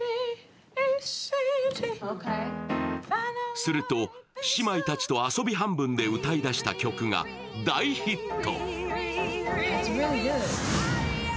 すると姉妹たちと遊び半分で歌いだした曲が大ヒット。